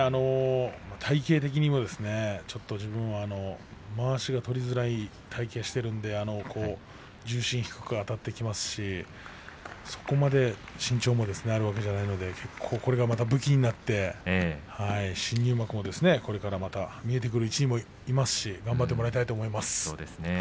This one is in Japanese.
体形的にもちょっと自分はまわしが取りづらい体形をしているので重心低くあたってきますしそこまで身長もあるわけではないので結構これがまた武器になって新入幕がまた見えてくる位置にもいますし頑張ってもらいたいと思います。